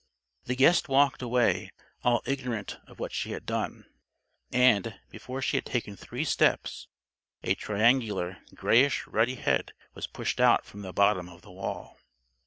The guest walked away, all ignorant of what she had done. And, before she had taken three steps, a triangular grayish ruddy head was pushed out from the bottom of the wall.